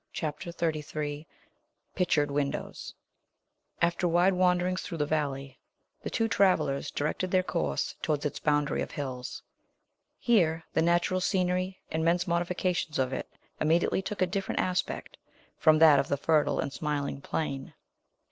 CHAPTER XXXIII PICTURED WINDOWS After wide wanderings through the valley, the two travellers directed their course towards its boundary of hills. Here, the natural scenery and men's modifications of it immediately took a different aspect from that of the fertile and smiling plain.